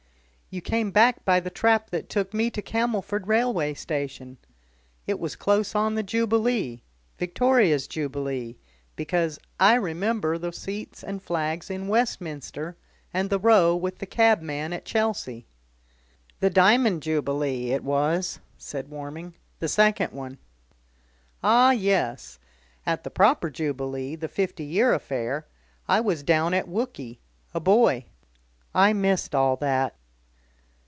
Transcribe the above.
"You came back by the trap that took me to Camelford railway station. It was close on the Jubilee, Victoria's Jubilee, because I remember the seats and flags in Westminster, and the row with the cabman at Chelsea." "The Diamond Jubilee, it was," said Warming; "the second one." "Ah, yes! At the proper Jubilee the Fifty Year affair I was down at Wookey a boy. I missed all that....